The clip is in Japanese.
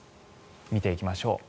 見ていきましょう。